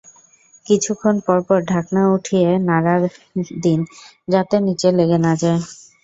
কিছুক্ষণ পরপর ঢাকনা উঠিয়ে নেড়ে দিন, যাতে নিচে লেগে না যায়।